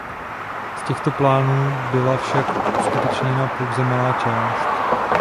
Z těchto plánů byla avšak uskutečněna pouze malá část.